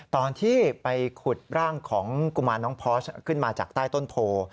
ตอนที่ไปขุดร่างของกุมารน้องพอสขึ้นมาจากใต้ต้นโพ